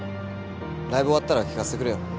ライブ終わったら聞かせてくれよ。